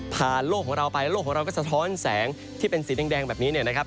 โลกของเราไปโลกของเราก็สะท้อนแสงที่เป็นสีแดงแบบนี้เนี่ยนะครับ